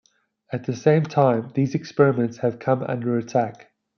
At the same time, these experiments have come under attack.